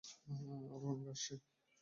আরো অনেক আসছে!